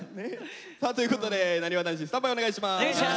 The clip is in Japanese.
さあということでなにわ男子スタンバイお願いします。